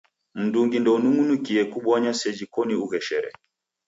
Mndungi ndeunung'unikie kubonya seji koni ugheshere.